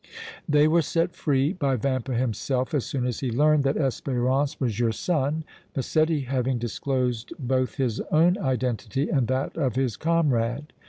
They were set free by Vampa himself as soon as he learned that Espérance was your son, Massetti having disclosed both his own identity and that of his comrade.